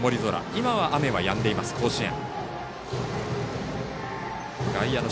今は雨はやんでいます甲子園。